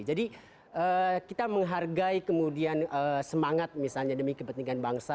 jadi kita menghargai kemudian semangat misalnya demi kepentingan bangsa